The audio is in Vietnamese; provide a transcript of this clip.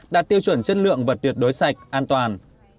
đạt tiêu chuẩn chất lượng và tuyệt đối sạch an toàn